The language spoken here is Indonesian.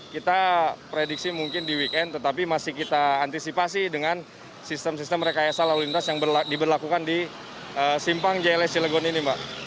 kita prediksi mungkin di weekend tetapi masih kita antisipasi dengan sistem sistem rekayasa lalu lintas yang diberlakukan di simpang jls cilegon ini mbak